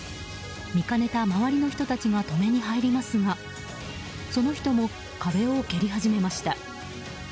見かねた周りの人たちが止めに入りますがその人も、壁を蹴り始めました。